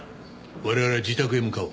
我々は自宅へ向かおう。